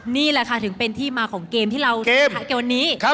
นี่แหละค่ะถึงเป็นที่มาของเกมที่เราชนะเกมวันนี้